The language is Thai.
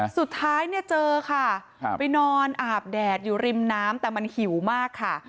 สุดท้ายเนี่ยเจอค่ะไปนอนอาบแดดอยู่ริมน้ำแต่มันหิวมากค่ะ